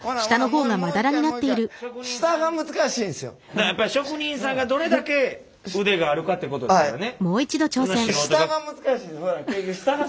だからやっぱり職人さんがどれだけ腕があるかってことですよね。